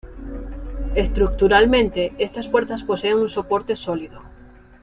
Estructuralmente, estas puertas poseen un soporte sólido